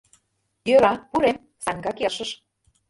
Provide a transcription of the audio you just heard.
— Йӧра, пурем, — Санька келшыш.